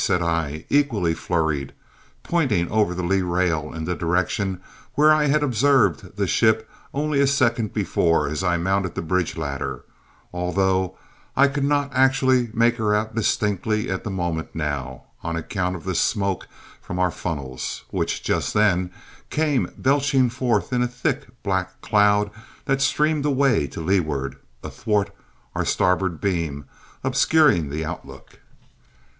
said I, equally flurried, pointing over the lee rail in the direction where I had observed the ship only a second before as I mounted the bridge ladder, although I could not actually make her out distinctly at the moment now, on account of the smoke from our funnels, which, just then, came belching forth in a thick, black cloud that streamed away to leeward, athwart our starboard beam, obscuring the outlook.